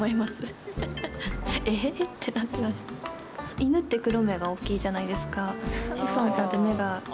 犬って黒目が大きいじゃないですか。